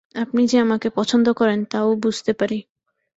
আপনি যে আমাকে পছন্দ করেন, তাও বুঝতে পারি।